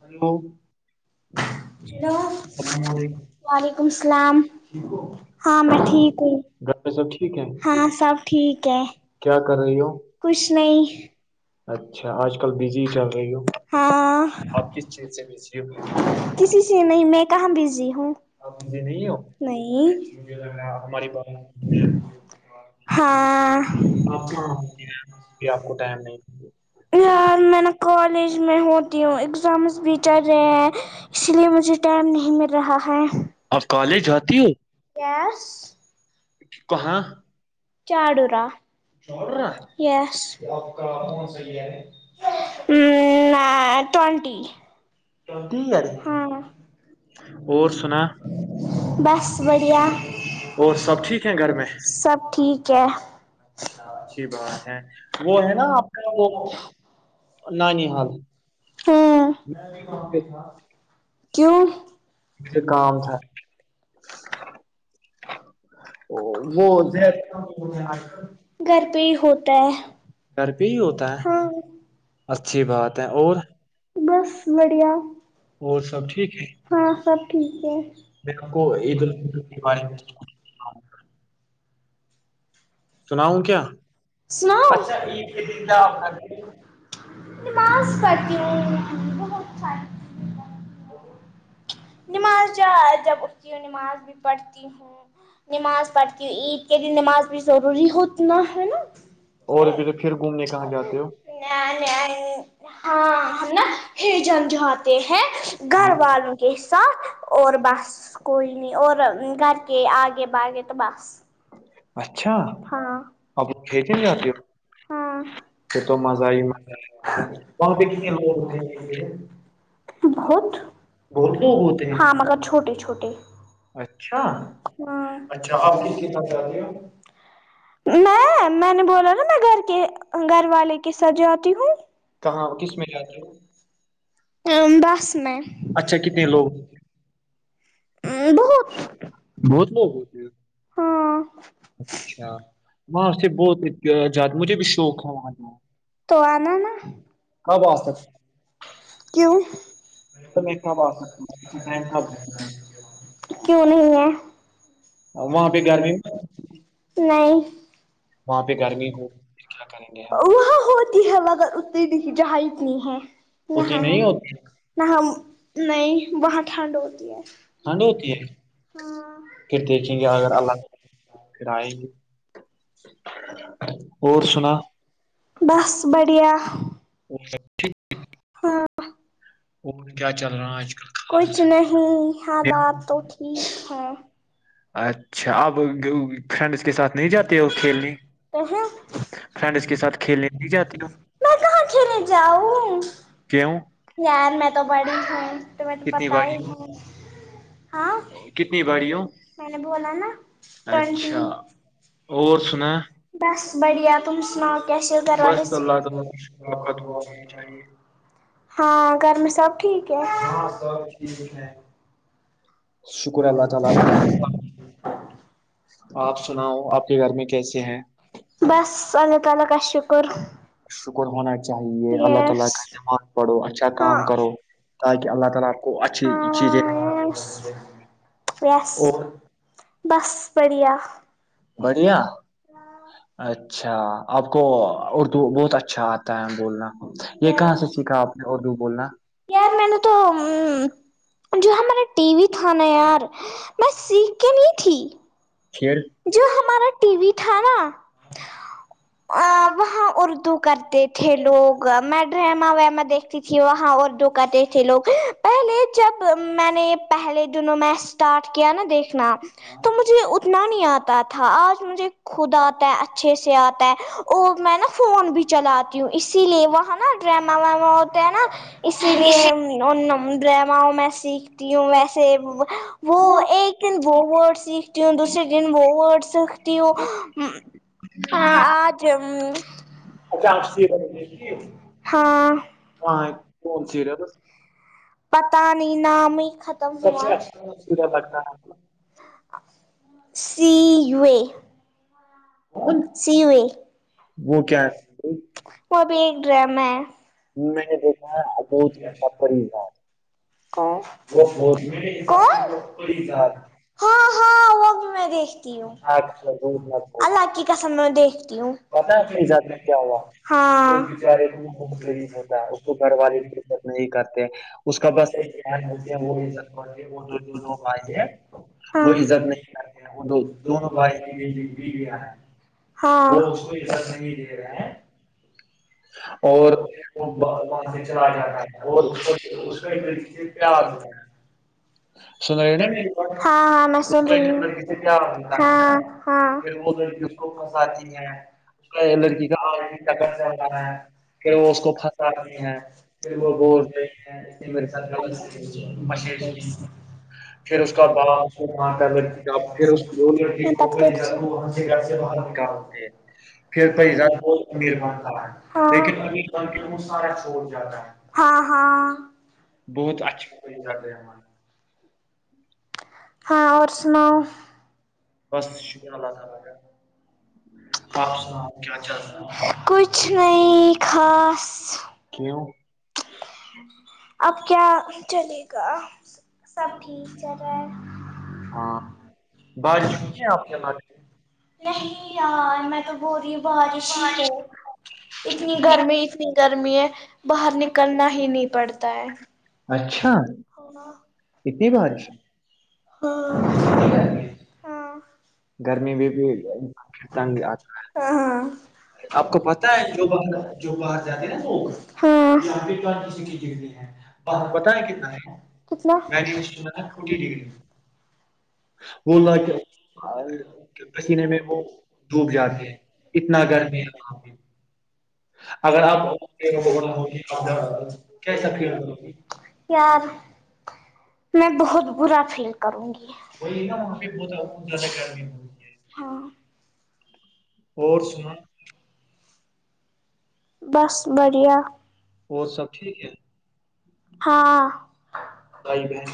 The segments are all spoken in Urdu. ہیلو ہو گھر ہلو سلام علیک وعلیکم السلام ہاں میں ٹھیک ہوں میں سب ٹھیک ہے ہاں سب ٹھیک ہے کیا کر رہی ہو کچھ نہیں اچھا آج کل بزی ہی چل رہی ہو ہاں آپ کس چیز سے بزی ہو کسی سے نہیں میں کہاں بزی ہوں آپ بیذی نہیں ہو نہیں ان کے گھر ایں ہماری بات ہاں یہ آپ کو ٹائم نہیں یار میں نا کالج میں ہوتی ہوں اگزامس بھی چل رہے ہیں اسی لیے مجھے ٹائم نہیں مل رہا ہے آپ کالج جاتی ہو کہاں چاڈورا یس ہم ما ٹونٹی ٹونٹی ہے ہاں اور سنا بس بڑھیا اور سب ٹھیک ہے گھر میں سب ٹھیک ہے اچچھی بات ہے وہ نا آپ کا وہ سونہ نانی نہیں حال بات تو میں نہیں مانی بات کیوں مجے کام تھا وہ گھر گھر پہ ہی ہوتا ہے گھر پے ہی ہوتا ہے ہاں اچھی بات ہو بس بڑھیا اور سب ٹھیک ہے ہاں سب ٹھیک ہے میرے کو عید ال سناؤ کیا ساؤ اچھا عید کے دن کیا کرتی نماز پڑھتی ہوں بہت ساری نماز جا جب اٹھتی ہوں نماز بھی پڑھتی ہوں نماز پڑھتی ہوں عید کے دن نماز بھی ضروری ہوتنا ہے نا اور اب تو پھر گھومنے کہاں جاتے ہو ںا ںا ہاں ہم نا ہجن جاتے ہیں گھر والوں ساتھ اور بس کوئی نی اور گھر کے آگے باہگے تو بس اچھا ہاں اب کھیلنے نہیں جاتے ہو ہاں پھر اور تو مزہ ہی کسے مت ہے گھر وہاں پہ کتنے میں لوگ سب تیرے بہت بہت لوگ ہوتے ہیں ہاں مگر چھوٹے چھوٹے اچھا اچھا اچھا آپ اور کس ک چاہتی ہو میں میں نے بولا نا میں گھر کے گھر والے کے ساتھ جاتی ہوں کہاں کس تھافس میں جاتے؟ کیا کاروں ا بس میں اچھا ٹھیک کتنے ہے لوگ اوکے بہت لوگ ہوتے ہیں ہاں اچھا وہاں سے بہت مجھے بھی شوق ہے وہاں جانا تو آنا نا کب آ سکتا کیوں میں کب آ سکتا ہوں ٹائم کب ہے؟ کیوں نہیں ہے وہاں پہ گرمی نہیں وہاں پہ گرمی ہوگی پھر کیا کریں گے ہم ا اتنی بھی جہ اتنی ہے اتنی یہاں نہیں ہے ہوتی نہ نہیں وہاں ٹھنڈ ہوتی ہے ٹھن ہوتی ہے ہاں پھر دیکھے جا یا کاروں کرائےیں گے اور سنا بس بڑھیا [unintelligible] ہاں اور کیا چل رہا ہے آج کل کچھ نہیں حالات تو ٹھیک ہیں اچھا آپ فرینڈس کے ساتھ نہیں جاتے ہو کھیلنے تو میں فرینڈ اس کے ساتھ کھیلنے نہی جاتی ہ میں کہاں کھیلنے جاؤ کیوں یار میں تو بڑی ہوں تمہیں تو کتنی پت باری ہی ہے ہاں کتنی باری ہو میں نے بولا نا ٹوئنٹی اچھا اور سنا بس بڑھیا تم سنو کیسے ہے گھروالے بس اللہ تعالیٰ کا ہاں گھر میں سب ٹھیک ہاں سب ٹھیک ہے شکر اللہ تعالی آپ سناؤ آپ کے گھر میں کیسے ہیں بس اللہ تعالی کا شکر شکر ہونا چاہیے اللہ یس تعالی کا نماز پڑھو اچھا ہاں کام کرو تاکہ اللہ تعالی آپ کو اچھی چیزیں س اور بس بڑھیا بڑھیا اچھا آپ کو اردو بہت اچھا آتا ہے بولنا یہ کہاں سے سیکھا آپ نے اردو بولنا یار میں نے تو جو ہم ہمارے ٹی وی تھانا یار بس سیک کے نہی تھی پھر جو ہمارا ٹی وی تھا نا ا وہاں اردو کرتے تھے لوگ میں ڈرما ویما دیکھتیھی ت وہاں اردو کرتے تھے لوگ پہلے جب میں نے پہلے دنوں میں اسٹارٹ کیا نا دیکھنا تو مجھے اتنا نہیں آتا تھا آج مجھے خود آتا ہے اچھے سے آتا ہے اور میں نا فون بھی چلاتی ہوں اسی لیے وہ نا ڈراما واما ہوتے ہیں نا اسی لیے ان ڈراماؤوں میں سیکھ ہوں ویسے وہ ایک دن وہ ورڈ سیکھتی ہوں دو ن وہورڈس تی ہوں ا آج اچھا آپ سیریل ہاں ہاں کون سیریل پتا نہیں نام ہی ختم سب ہوئا سے اچھا سیریل لگتا ہے C U A C U A وہ کیا ہے وہ بھی ایک ڈرام ہے میں نے دیکھا [unintelligible] کو یہ بہت کون مزہ ہاں ہاں وہ بھی می دیکھ تی ہوں آتا ہے۔ بہت مزہ آتا ہے۔ اللہ کی کسم میں دیکھتی ہوں پتہ ہے میرے ساتھ میں کیا ہوا ہاں اس بیچارے کا ت نہیں کرتے اس کا بس ایک بھائی ہان ہوتے ہیں، وہ عزت مند دونوں بھائی ہیں وہ عزت نہیں ہے، وہ دو- دونوں بھائی [unintelligible] بھی گیا ہے ہاں کو یہ سب نہیں دے رہے ہیں اور وہ وہاں سے چلا جاتا ہے اور پیار سن رہے ہیں نا کہ ہاں میں سن رہی ہوں پیار ہوتا ہے ہاں ہاں وہ چل لڑکی کا آنکھ، رہا ہے پھر وہ کو پہر [unintelligible] پھر وہ بول گی ہیں میرے ساتھ پشیش کی، پھر اس کا بو باپ م ملتا ہے لڑکی ج کا پھر اس کو وہ لڑکی وہاں سے گھر سے باہر کا نکال آتے ہیں، پھر پیسہ پھر ہاں لیکن ہاں ہاں ب بہت اچھا ہوتا ہے۔ اچا ہاں اور سناؤ بس شکر اللہ شوکر تعالیٰ۔ ہے اللہ تعالی آپ سے کا بچا آپ سنو کچھ نہیں خاص کیوں اب کیا چلے گا سب ٹھیک چل رہا ہے ہاں بارش باریش ہوئی ہورہی ہے آپ کے پاس لاہور میں نہیں یار میں تو ہو رہی بارش ہی ہو اتنی گرمی اتنی گرمیاں باہر نکلنا ہی نہیں پڑتا پڑتا ہے اچھا اتنی بارش ہاں ہاں گرمی بھی ہورہی ہے پھر کیا تنگ آتا ہے۔ ہاں ہاں آپ کو پاتا ہے جو بہر نیکتے ہے جو بہر جو جاتے ہیں وہ ہاں یہاں پہ بھی واسے نیکل تے ہے پت ہے کتنا میں نے سنا ہے، فورٹی ڈگری، وہ لڑکے بولو پسینے میں وہ ڈوب جاتے ہیں اتنا گرمی ہے اگر آپ ایکلی ہوگی کھانے پینے کیسا کا پھر کھیل کیسے رہا کو گی یار میں بہت برا فیل کروں گی وہی نا وہاں پ ب اور سنا بس بڑیا اور سب ٹھیک ہے ہاں بھائی بہن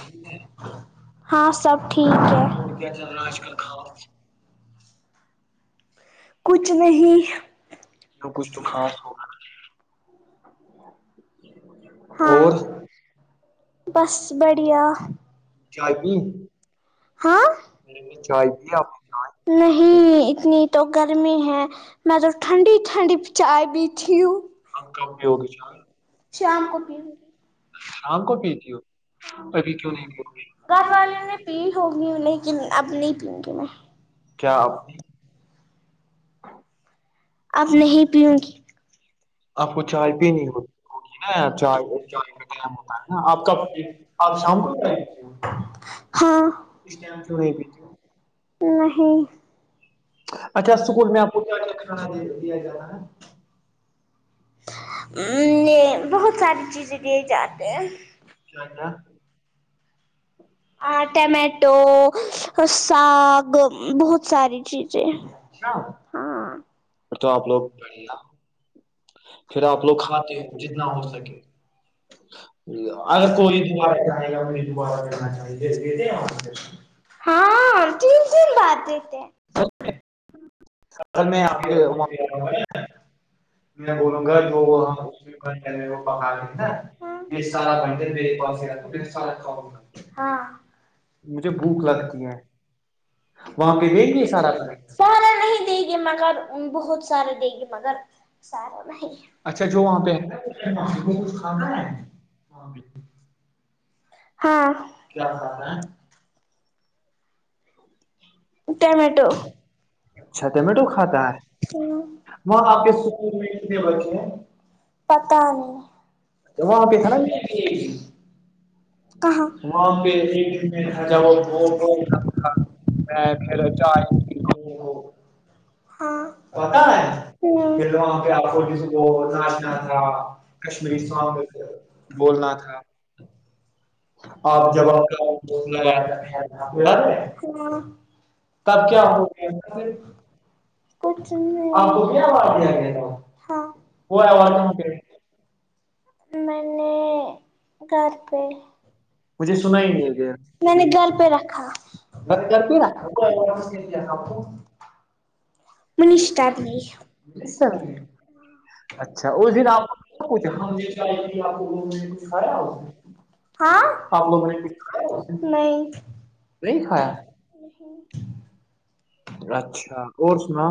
ہاں سب ٹھیک ہے کیا چل رہا ہے کچھ نہیں تو کچھ تو خاص ہوگا ہاں اور بس بڑیا چائے پی ہاں چائے پی آپ نہیں اتنی تو گرمی ہے میں تو ٹھنڈی ٹھنڈی چائ پتی ہو نے پیو گی چائے شام کو پتی ہو شام کو پیتی ہو ابھی کیوں نہیں پیو گھر والے نے پی ہوگی انہیں کی اب نہیں پی گی میں کیاپ ہ اب نہیں پیو گی آپ کو چائے پیینی ہوتی چار ہوتا ہے نا آپ کا آپ شام ٹھینکوں ہاں پھر چاے تو کیوں نہیں پیتے پو گی نہیں اچھا سک اسکول میں آپ کو میں دیا جاتا ا نے بہت ساری چیزیں دیے جاتے ہیں کیا کیا آ ٹمیٹو ساگ بہت ساری چیزیں اچھا نا ہاں تو آپ لوگ آپ لوگ کھاتے ہے جتنا ہوسکے اارا اگر کوئی چاہی دوبارہ کرنا چاہیے ہاں تین تین بات رہتے ہیں اگر میں آپ آگے وہاں پہ پ آ میں بولوں گا بولونگا جو ہوا وہاں تو وو کھاتے ہیں کا یہ سارا گھنٹلے سا ہاں مجھے بھوک لگتی ہے وہاں پہ د دیں گے یہ گی سارا بنا؟ پہان نہیں دے گی مگر بہت سارے دے گی مگر اچھا جو وہاں پہ کچھ کھاتا ہے وہ ہاں کیا کھتا ہے ا آ وہاں آپ کے اسکول میں کتنے بچے ہیں پتا نہیں وہاں پہ تھا نا کہاں وہاں پہ ایک دن میں جب جاٹ میں پھر چائے ج ہو ہاں ہاں وہاں پہ آ کو ناچنا تھا کشمیری سانگ بولنا تھا آپ جب لوگ آپ یہاں پہ آگے سب تب کیا ہوتا ہو گیا ہے؟ پھر آپ کو کیا آواز دیا گیا تھا وہ ہے اور وہگ کہاں پہ میں نے گھر پہ مجھے مجھ سنا ہی نہیں دے رہا میں نے گھر پہ رکھا گا میں کرتی نا آ آپ کو منیسٹر نہیں اس سے اچھا اس دن آپ کو پوچھا ہم تھی آپ کوگوں نے کچھ کھایا آپ ہاں لوگوں نے کچھ نہیں نہیں کھایا اچھا اور سنا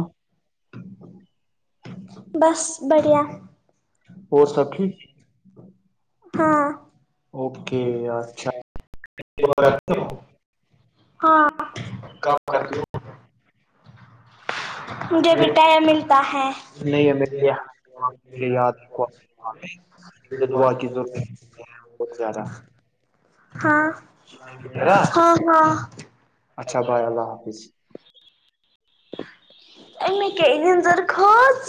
بس بڑھیا اور سب ٹھیک ہاں اوکے اچھا اور آپ ہاں کب کر مجھے بھی ٹائم ملتا ہے ہو؟ نہیں ہمیں یہ- بہت یہ بیڑیا یاد رکھو آپ کو اور دعا آپ کی سونا ضرورت وے بہت زیادہ ہے۔ ہاں سونای دے ٹھیک ہے نا رہے ہاں ہاں اچھا بھائی اللہ حافظ ا میں کیا نظر کھض